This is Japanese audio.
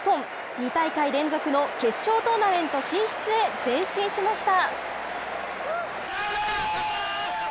２大会連続の決勝トーナメント進出へ前進しました。